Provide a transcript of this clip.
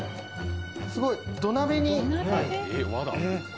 すごい土鍋に。